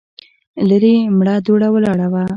ليرې مړه دوړه ولاړه وه.